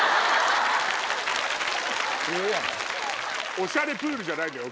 おしゃれプールじゃないんだよ